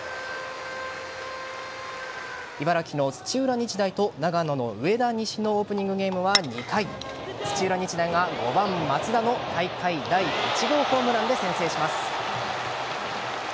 茨城の土浦日大と長野の上田西のオープニングゲームは２回土浦日大が５番・松田の大会第１号ホームランで先制します。